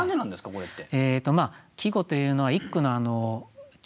これって。